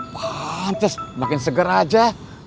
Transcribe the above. pantes makin seger aja